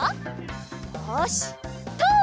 よしとお！